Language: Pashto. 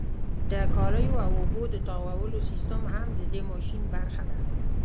د کالیو او اوبو د تاوولو سیستم هم د دې ماشین برخه ده.